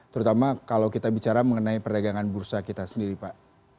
terutama kalau kita bicara mengenai perdagangan bursa kita sendiri pak